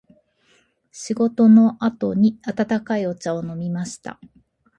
仕事の後に温かいお茶を飲みました。